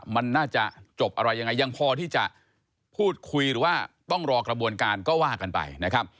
มันน่าจะจบอะไรยังไงยังพอที่จะพูดคุยหรือว่าต้องรอกระบวนการก็ว่ากันไปนะครับ